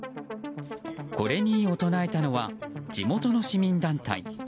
これに異を唱えたのは地元の市民団体。